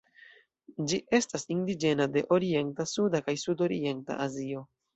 Ĝi estas indiĝena de Orienta, Suda kaj Sudorienta Azio.